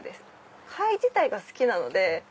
貝自体が好きなので。